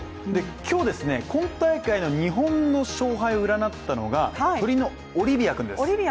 今日、今大会の日本の将来を占ったのが鳥のオリビア君です。